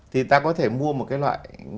thì ta có thể mua một cái loại